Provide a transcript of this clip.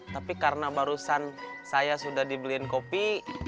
tapi karena barusan saya sudah dibeliin kopi